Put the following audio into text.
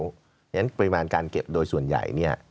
เพราะฉะนั้นปริมาณการเก็บโดยส่วนใหญ่เนี่ย